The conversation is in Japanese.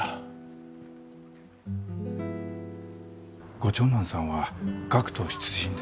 ご長男さんは学徒出陣で？